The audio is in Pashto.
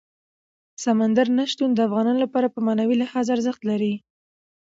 سمندر نه شتون د افغانانو لپاره په معنوي لحاظ ارزښت لري.